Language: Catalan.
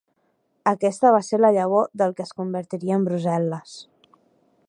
Aquesta va ser la llavor del que es convertiria en Brussel·les.